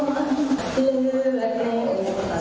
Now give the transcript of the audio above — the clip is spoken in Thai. สวัสดีครับสวัสดีครับ